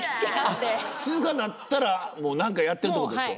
静かになったらもう何かやってるってことでしょ？